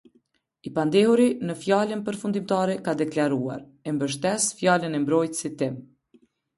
I pandehuri në fjalën përfundimtare ka deklaruar: E mbështesë fjalën e mbrojtësit tim.